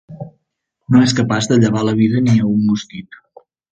No és capaç de llevar la vida ni a un mosquit.